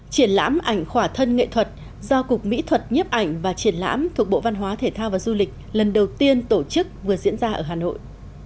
triển lãm ảnh khỏa thân nghệ thuật do cục mỹ thuật nhiếp ảnh và triển lãm thuộc bộ văn hóa thể thao và du lịch lần đầu tiên tổ chức vừa diễn ra ở hà nội